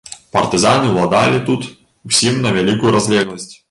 Партызаны ўладалі тут усім на вялікую разлегласць.